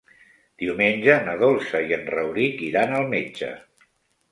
Diumenge na Dolça i en Rauric iran al metge.